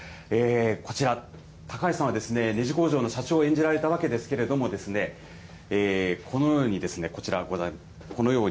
こちら、高橋さんはネジ工場の社長を演じられたわけですけれども、このようにこちら、このように。